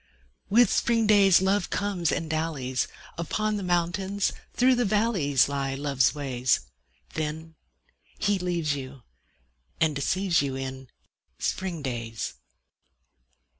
With spring days Love comes and dallies: Upon the mountains, through the valleys Lie Love's ways. Then he leaves you and deceives you In spring days.